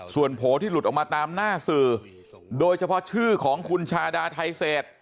ส่วนโผล่ที่หลุดออกมาตามหน้าสื่อโดยเฉพาะชื่อของคุณชาดาไทเศษ